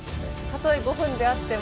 たとえ５分であっても。